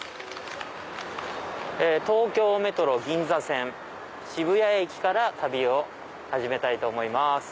東京メトロ銀座線渋谷駅から旅を始めたいと思います。